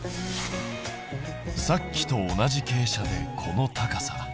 さっきと同じ傾斜でこの高さだ。